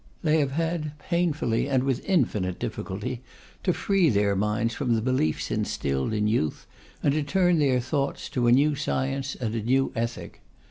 They have had, painfully and with infinite difficulty, to free their minds from the beliefs instilled in youth, and to turn their thoughts to a new science and a new ethic.